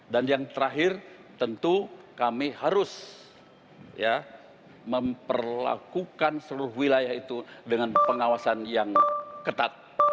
dan yang terakhir tentu kami harus memperlakukan seluruh wilayah itu dengan pengawasan yang ketat